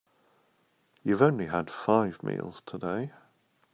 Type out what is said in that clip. You've only had five meals today.